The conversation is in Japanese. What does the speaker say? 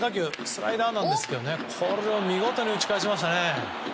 スライダーなんですが見事に打ち返しました。